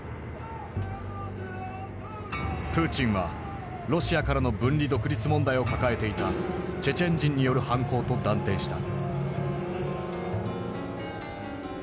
プーチンはロシアからの分離独立問題を抱えていたチェチェン人による犯行と断定した。